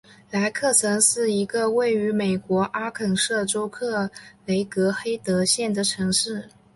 莱克城是一个位于美国阿肯色州克雷格黑德县的城市。